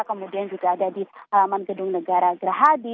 kemudian juga ada di halaman gedung negara gerahadi